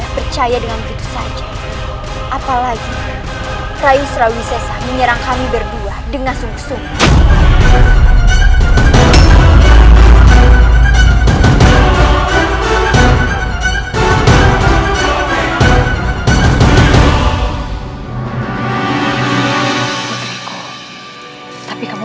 berani sekali mereka mengeluk elukku